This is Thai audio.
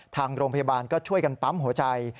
ทางโรงพยาบาลก็ช่วยกันปั๊มหัวใจ